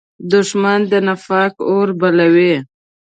دښمن د نفاق اور بلوي